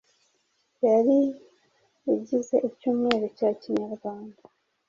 yari igize icyumweru cya Kinyarwanda.